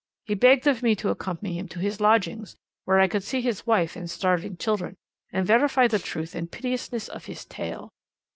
He begged of me to accompany him to his lodgings, where I could see his wife and starving children, and verify the truth and piteousness of his tale.